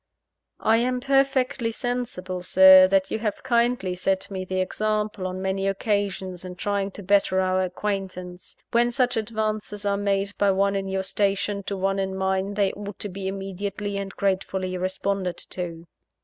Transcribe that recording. "I am perfectly sensible, Sir, that you have kindly set me the example, on many occasions, in trying to better our acquaintance. When such advances are made by one in your station to one in mine, they ought to be immediately and gratefully responded to."